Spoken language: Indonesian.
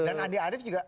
dan andi arief juga